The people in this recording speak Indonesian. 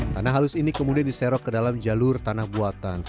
tanah halus ini kemudian diserok ke dalam jalur tanah buatan